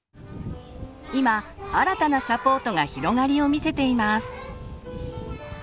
今新たなサポートが広がりを見せています。